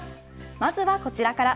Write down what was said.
まずはこちらから。